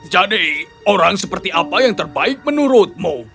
jadi orang seperti apa yang terbaik menurutmu